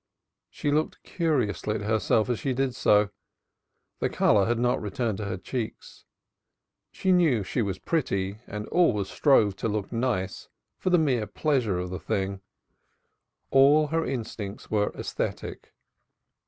She looked curiously at herself as she did so; the color had not returned to her cheeks. She knew she was pretty and always strove to look nice for the mere pleasure of the thing. All her instincts were aesthetic.